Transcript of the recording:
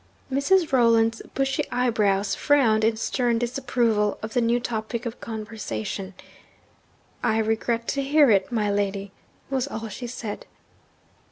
Mrs. Rolland's bushy eyebrows frowned in stern disapproval of the new topic of conversation. 'I regret to hear it, my lady,' was all she said.